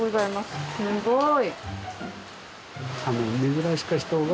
・すごい！